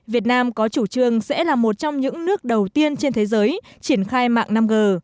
việt nam có chủ trương sẽ là một trong những nước đầu tiên trên thế giới triển khai mạng năm g